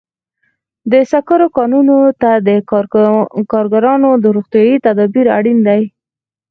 د سکرو کانونو ته د کارګرانو روغتیايي تدابیر اړین دي.